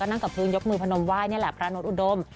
นั่งกับพื้นยกมือพนมไห้นี่แหละพระนดอุดม